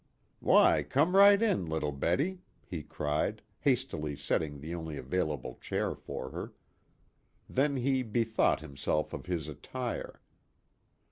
"Why, come right in, little Betty," he cried, hastily setting the only available chair for her. Then he bethought himself of his attire.